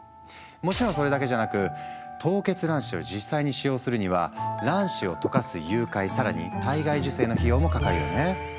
もちろんそれだけじゃなく凍結卵子を実際に使用するには卵子をとかす融解更に体外受精の費用もかかるよね。